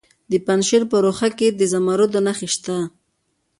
د پنجشیر په روخه کې د زمرد نښې شته.